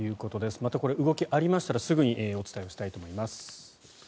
またこれ、動きがありましたらすぐにお伝えしたいと思います。